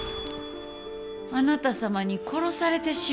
あなた様に殺されてしもうた。